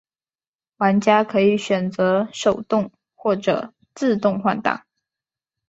玩家可以选择手动或者自动换挡。